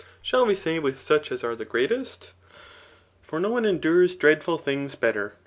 Shall we say with such as are the greatest? For no one endures dreadful things better.